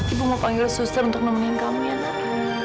ibu mau panggil suster untuk nemenin kamu ya nak